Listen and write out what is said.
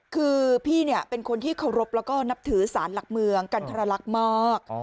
คือพี่เป็นคนที่เคารพแล้วก็นับถือสารหลักเมืองกันทรลักษณ์มาก